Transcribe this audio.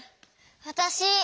わたし。